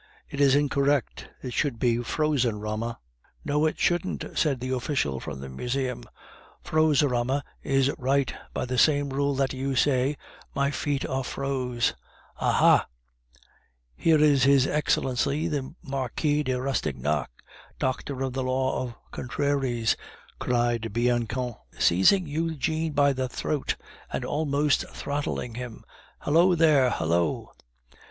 It is incorrect; it should be frozenrama." "No, it shouldn't," said the official from the Museum; "frozerama is right by the same rule that you say 'My feet are froze.'" "Ah! ah!" "Here is his Excellency the Marquis de Rastignac, Doctor of the Law of Contraries," cried Bianchon, seizing Eugene by the throat, and almost throttling him. "Hallo there! hallo!"